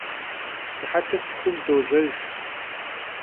Sıhetır txum dojejj.